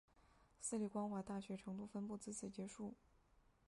私立光华大学成都分部自此结束。